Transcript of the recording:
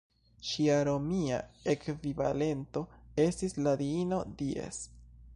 Ŝia romia ekvivalento estis la diino "Dies".